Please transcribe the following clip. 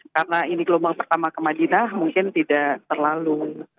karena ini lombang pertama ke madinah mungkin tidak terlalu